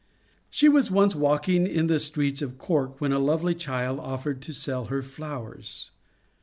She was once walking in the streets of Cork, when a lovely child offered to sell her flowers.